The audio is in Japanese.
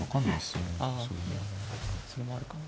それもあるかも。